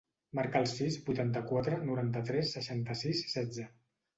Marca el sis, vuitanta-quatre, noranta-tres, seixanta-sis, setze.